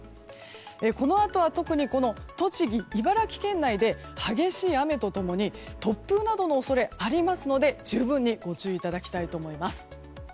このあとは特に栃木、茨城県内で激しい雨と共に突風などの恐れがありますので十分にご注意いただきたいと思います。